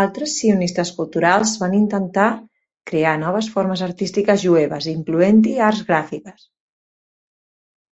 Altres sionistes culturals van intentar crear noves formes artístiques jueves, incloent-hi arts gràfiques.